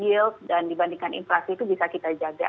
sehingga return dari yield dan dibandingkan inflasi itu bisa kita jaga